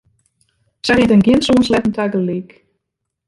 Sy rint yn gjin sân sleatten tagelyk.